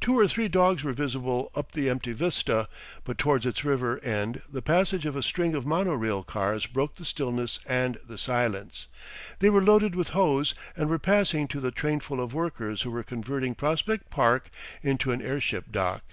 Two or three dogs were visible up the empty vista, but towards its river end the passage of a string of mono rail cars broke the stillness and the silence. They were loaded with hose, and were passing to the trainful of workers who were converting Prospect Park into an airship dock.